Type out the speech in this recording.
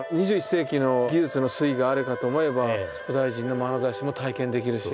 ２１世紀の技術の粋があるかと思えば古代人のまなざしも体験できるし。